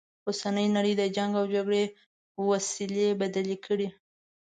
اوسنۍ نړی د جنګ و جګړې وسیلې بدل کړي.